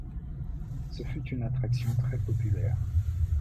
Ce fut une attraction très populaire.